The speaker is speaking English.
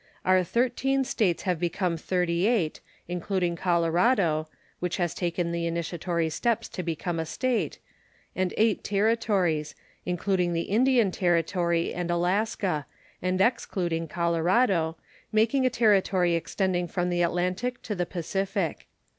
Our thirteen States have become thirty eight, including Colorado (which has taken the initiatory steps to become a State), and eight Territories, including the Indian Territory and Alaska, and excluding Colorado, making a territory extending from the Atlantic to the Pacific.